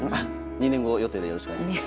２年後予定でよろしくお願いします。